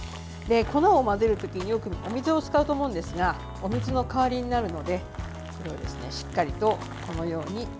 粉を混ぜるときによくお水を使うと思うんですがお水の代わりになるのでしっかりと混ぜていきます。